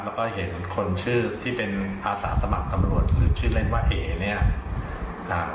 แล้วก็เห็นคนชื่อที่เป็นอาสาสมัครตำรวจหรือชื่อเล่นว่าเอ๋เนี่ยอ่า